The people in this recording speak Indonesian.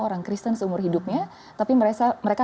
orang kristen seumur hidupnya tapi mereka